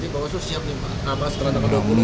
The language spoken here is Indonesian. bawaslu siap nih pak